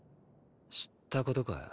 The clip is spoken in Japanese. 知ったことかよ